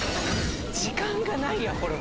時間がないやこれ。